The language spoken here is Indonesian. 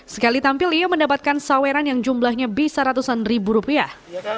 sekali tampil ia mendapatkan saweran yang jumlahnya bisa ratusan ribu rupiah